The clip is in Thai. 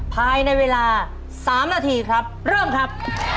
ภายในเวลา๓นาทีครับเริ่มครับ